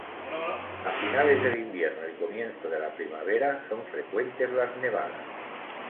A finales del invierno y comienzo de la primavera son frecuentes las nevadas.